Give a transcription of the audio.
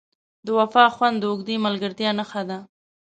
د وفا خوند د اوږدې ملګرتیا نښه ده.